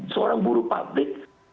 seorang buru pabrik